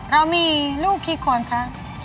เรามีลูกกี่คนคะ